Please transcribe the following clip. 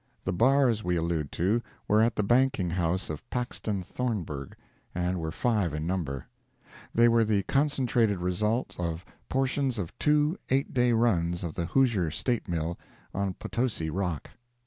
The bars we allude to were at the banking house of Paxton Thornburgh, and were five in number; they were the concentrated result of portions of two eight day runs of the Hoosier State Mill, on Potosi rock.